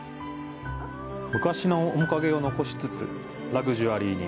昔の面影を残しつつ、ラグジュアリーに。